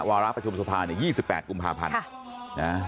วาระประชุมสภาเนี่ยยี่สิบแปดกุมภาพันธ์ค่ะนะฮะ